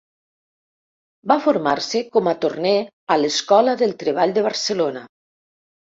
Va formar-se com a torner a l'Escola del Treball de Barcelona.